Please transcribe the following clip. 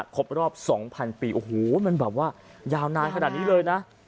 ครบรอบ๒๐๐ปีโอ้โหมันแบบว่ายาวนานขนาดนี้เลยนะ